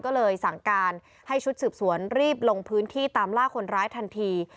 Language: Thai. ก็เลยสั่งการให้ชุดสืบสวนรีบลงพื้นที่ตามล่าคนร้ายทันที